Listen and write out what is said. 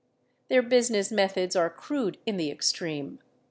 ] Their business methods are crude in the extreme.